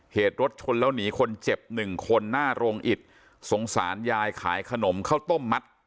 เหตุรถชนแล้วหนีคนเจ็บหนึ่งคนหน้าโรงอิดสงสารยายขายขนมข้าวต้มมัด